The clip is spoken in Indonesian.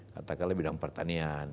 katakanlah bidang pertanian